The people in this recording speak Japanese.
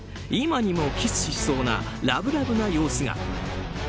今にもキスしそうなラブラブな様子が。